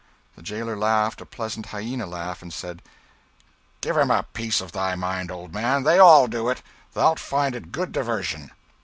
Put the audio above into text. The jailer laughed a pleasant hyena laugh, and said "Give him a piece of thy mind, old man they all do it. Thou'lt find it good diversion."